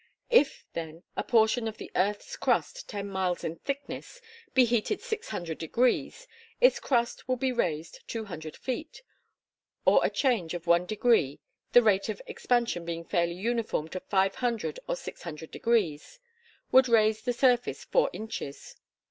If, then, a portion of the earth's crust ten miles in thickness be heated six hundred degrees, its crust would be raised two hundred feet; or a change of one degree, the rate of expansion being fairly uniform to five hundred or six hundred degrees, would raise the surface four inches.